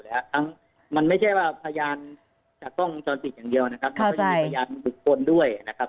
เข้าใจเพราะทุกคนด้วยนะครับ